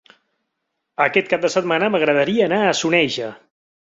Aquest cap de setmana m'agradaria anar a Soneja.